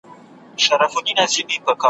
له کوم زکاته به موږ خېټه د مُلا ډکوو ,